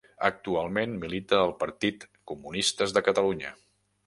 Actualment, milita al partit Comunistes de Catalunya.